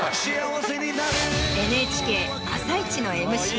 ＮＨＫ『あさイチ』のＭＣ。